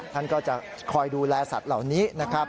ท่านก็จะคอยดูแลสัตว์เหล่านี้นะครับ